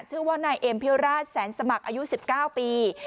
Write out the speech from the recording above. ชื่อว่านายเอ็มพิวราชแสนสมัครอายุ๑๙ปี